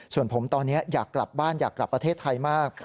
ส่วนผมตอนนี้อยากกลับบ้านอยากกลับประเทศไทยมาก